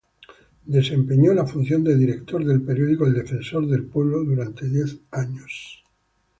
Desempeñó la función de Director del periódico "El Defensor del Pueblo" durante diez años.